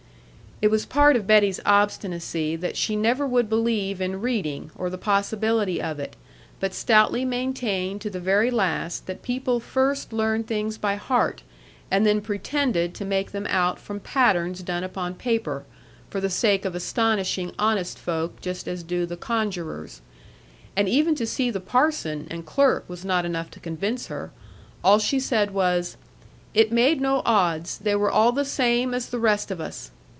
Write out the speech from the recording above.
It was part of Betty's obstinacy that she never would believe in reading or the possibility of it, but stoutly maintained to the very last that people first learned things by heart, and then pretended to make them out from patterns done upon paper, for the sake of astonishing honest folk just as do the conjurers. And even to see the parson and clerk was not enough to convince her; all she said was, 'It made no odds, they were all the same as the rest of us.'